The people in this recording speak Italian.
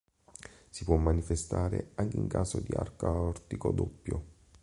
Si può manifestare anche in caso di arco aortico doppio.